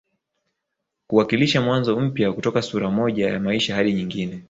Kuwakilisha mwanzo mpya kutoka sura moja ya maisha hadi nyingine